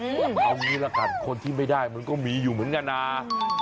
เอางี้ละกันคนที่ไม่ได้มันก็มีอยู่เหมือนกันนะ